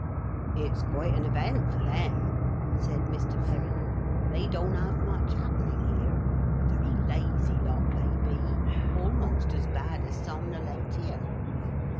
'It's quite an event for them,' said Mr. Perrin. 'They don't have much happening here. A very lazy lot they be, almost as bad as Somnolentia.'